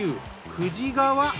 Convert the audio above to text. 久慈川。